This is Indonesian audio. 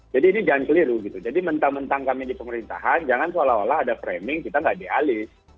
jadi ini jangan keliru gitu jadi mentang mentang kami di pemerintahan jangan seolah olah ada framing kita nggak dialis